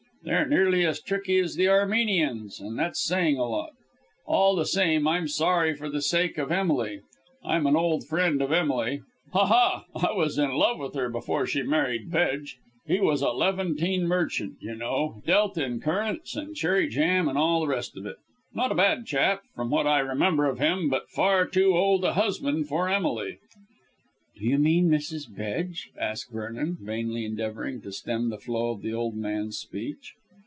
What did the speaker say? They're nearly as tricky as the Armenians, and that's saying a lot. All the same, I'm sorry for the sake of Emily. I'm an old friend of Emily. Ha, ha! I was in love with her before she married Bedge. He was a Levantine merchant, you know, dealt in currants and cherry jam and all the rest of it. Not a bad chap, from what I remember of him, but far too old a husband for Emily " "Do you mean Mrs. Bedge?" asked Vernon, vainly endeavouring to stem the flow of the old man's speech.